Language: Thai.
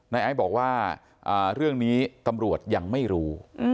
ไอซ์บอกว่าเรื่องนี้ตำรวจยังไม่รู้